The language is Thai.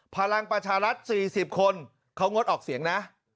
พลังประชารัฐ๔๐คนเขางดออกเสียงนะ